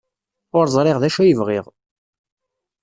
Ur ẓriɣ d acu ay bɣiɣ.